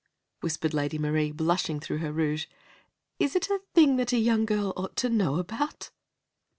whispered Lady Marie, blushing through her rouge. "Is it a thing that a young girl ought to know about?"